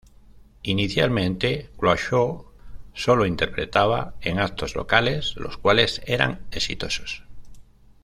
Inicialmente, Clouseau sólo interpretaba en actos locales, los cuales eran exitosos.